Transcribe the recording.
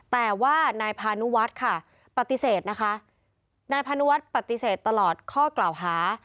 แต่ว่านายพานุวัฒน์ค่ะปฏิเสธนะคะนายพานุวัฒน์ปฏิเสธตลอดข้อกล่าวหา